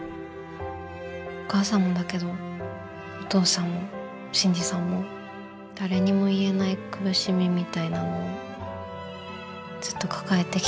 お母さんもだけどお父さんも信爾さんも誰にも言えない苦しみみたいなものずっと抱えてきたんだよね。